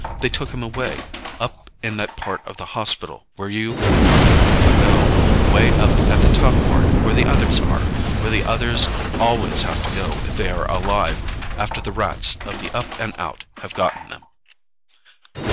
They took him away, up in that part of the hospital where you and I never go way up at the top part where the others are, where the others always have to go if they are alive after the Rats of the Up and Out have gotten them."